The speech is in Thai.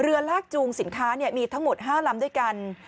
เรือลากจูงสินค้ามีทั้งหมด๕ลำด้วยกัน